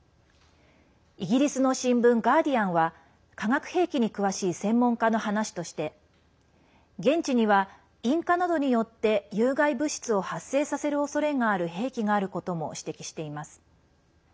イギリスの新聞ガーディアンは化学兵器に詳しい専門家の話として現地には、引火などによって有害物質を発生させるおそれがある兵器があることも指摘しています。